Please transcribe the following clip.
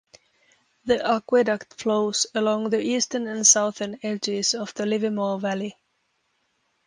The aqueduct flows along the eastern and southern edges of the Livermore Valley.